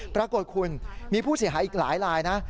ปรากฏคุณมีผู้เสียหายอีกหลายลายนะ